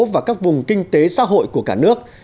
và các vùng kinh tế xã hội của cả nước